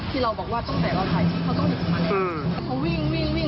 ที่เราบอกว่าตั้งแต่เราถ่ายแต่เขาต้องหยิบมา